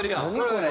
これ！